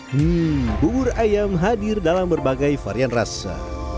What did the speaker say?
hmm bubur ayam hadir dalam berbagai varian rasa